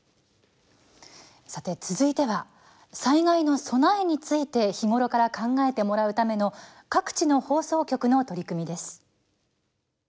さて、続いては災害の備えについて日頃から考えてもらうための各地の放送局の取り組みです。